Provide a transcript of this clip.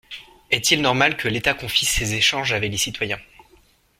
Est-il normal que l’État confie ses échanges avec les citoyens